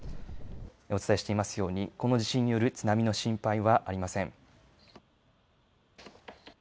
お伝えしていますように、この地震による津波の心配はありません。